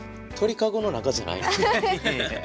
鳥かごの中じゃないの？